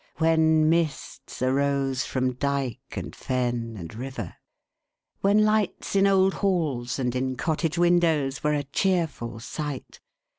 When mists arose from dyke, and fen, and river. When lights in old halls and in cottage windows, were a cheerful sight.